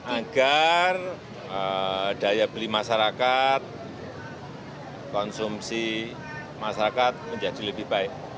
agar daya beli masyarakat konsumsi masyarakat menjadi lebih baik